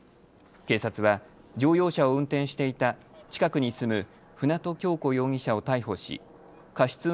警察は乗用車を運転していた近くに住む舟渡今日子容疑者を逮捕し過失